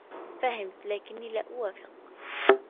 فهمت، لكني لا أوافق.